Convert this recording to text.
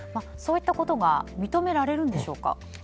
そういったことが認められるんでしょうか？